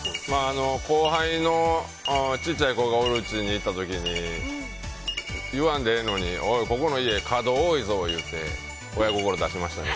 後輩の小さい子がおるうちに行った時に言わんでええのにおいここの家、角多いぞって親心だしましたね。